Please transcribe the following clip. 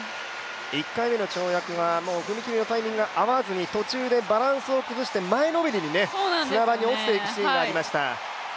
１回目の跳躍は踏み切りのタイミングが合わずに途中でバランスを崩して前のめりに、砂場に落ちていくシーンがありました。